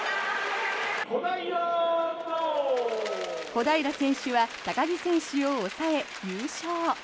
小平選手は高木選手を抑え優勝。